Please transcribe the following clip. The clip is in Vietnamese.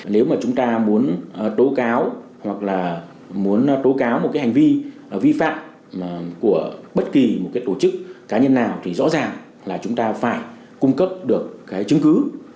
nếu mà chúng ta muốn tố cáo hoặc là muốn tố cáo một cái hành vi vi phạm của bất kỳ một cái tổ chức cá nhân nào thì rõ ràng là chúng ta phải cung cấp được cái chứng cứ